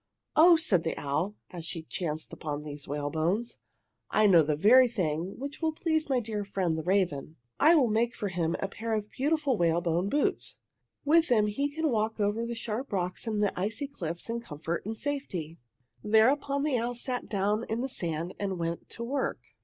"Oh," said the owl, as she chanced upon these whalebones, "I know the very thing which will please my dear friend the raven! "I will make for him a pair of beautiful whalebone boots! With them he can walk over the sharp rocks and the icy cliffs in comfort and safety!" Thereupon the owl sat down in the sand and went to work.